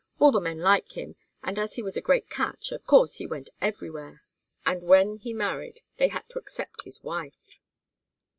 All the men like him, and as he was a great catch, of course he went everywhere; and when he married they had to accept his wife.